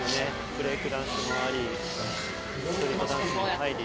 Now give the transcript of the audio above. ブレイクダンスもありストリートダンスも入り。